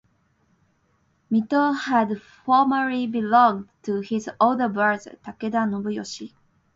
Mito had formerly belonged to his older brother, Takeda Nobuyoshi.